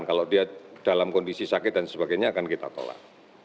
kalau dia dalam kondisi sakit dan sebagainya akan kita tolak